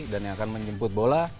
dan yang akan menjemput bola